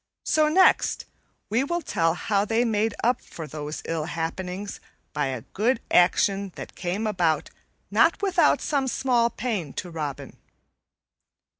So next we will tell how they made up for those ill happenings by a good action that came about not without some small pain to Robin.